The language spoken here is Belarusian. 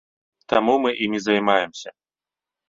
Таму мы імі займаемся.